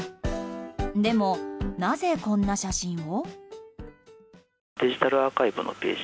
でも、なぜこんな写真を？